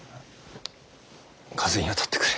風に当たってくる。